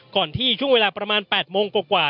ที่ช่วงเวลาประมาณ๘โมงกว่า